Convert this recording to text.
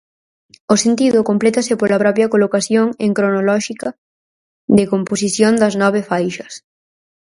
O sentido complétase pola propia colocación en cronolóxica de composición das nove faixas.